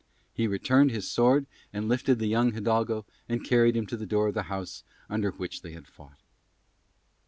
He returned his sword and lifted the young hidalgo and carried him to the door of the house under which they had fought.